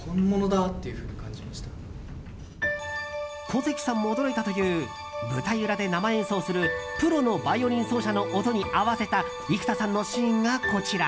小関さんも驚いたという舞台裏で生演奏するプロのバイオリン奏者の音に合わせた生田さんのシーンが、こちら。